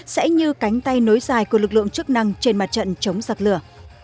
sẽ như cánh tay nối dài của lực lượng chức năng trên mặt trận chống giặc lửa